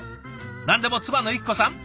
何でも妻のユキコさん